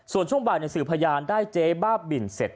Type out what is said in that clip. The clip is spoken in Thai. ส่วนช่วงบ่ายในสื่อพยานได้เจ๊บ้าบินเสร็จ